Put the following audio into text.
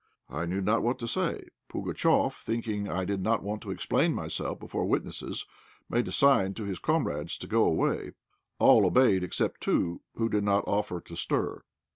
I knew not what to say. Pugatchéf, thinking I did not want to explain myself before witnesses, made a sign to his comrades to go away. All obeyed except two, who did not offer to stir.